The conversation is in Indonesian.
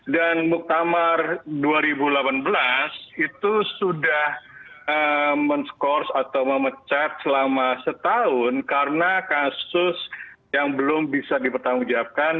dan muktamar dua ribu delapan belas itu sudah men scores atau memecat selama setahun karena kasus yang belum bisa dipertanggungjawabkan